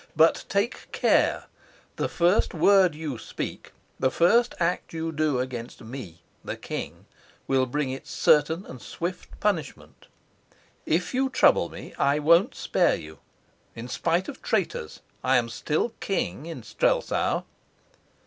But take care! The first word you speak, the first act you do against me, the king, will bring its certain and swift punishment. If you trouble me, I won't spare you. In spite of traitors I am still king in Strelsau."